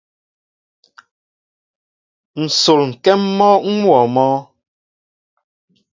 Nsol ŋkém mɔnwóó mɔ.